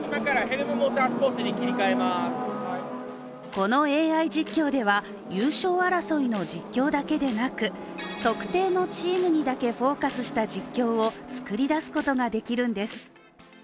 このＡＩ実況では、優勝争いの実況だけでなく、特定のチームにだけフォーカスした実況を作り出すことができるんです。